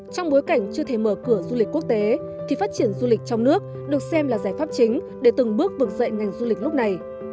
trong bối cảnh chưa thể mở cửa du lịch quốc tế thì phát triển du lịch trong nước được xem là giải pháp chính để từng bước vực dậy ngành du lịch lúc này